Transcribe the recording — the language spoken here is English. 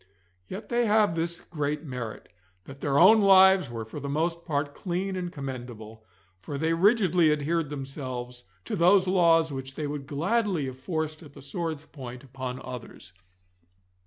Yet they have this great merit, that their own lives were for the most part clean and commendable, for they rigidly adhered themselves to those laws which they would gladly have forced at the sword's point upon others.